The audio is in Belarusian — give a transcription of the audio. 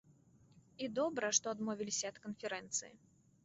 І добра, што адмовіліся ад канферэнцыі.